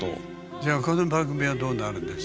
じゃあこの番組はどうなるんです？